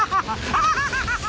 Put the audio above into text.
アハハハハ！